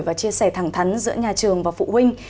và chia sẻ thẳng thắn giữa nhà trường và phụ huynh